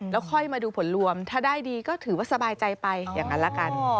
แล้วค่อยมาดูผลรวมถ้าได้ดีก็ถือว่าสบายใจไปอย่างนั้นละกัน